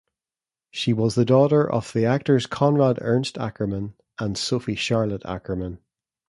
She was the daughter of the actors Konrad Ernst Ackermann and Sophie Charlotte Ackermann.